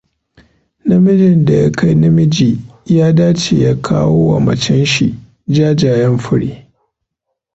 Namijin da ya kai namiji ya da ce ya kawo wa macenshi jajayen fure.